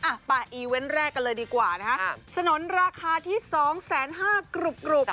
อ่ะปะอีเว้นต์แรกกันเลยดีกว่านะฮะสนุนราคาที่๒๕๐๐๐๐กรุบ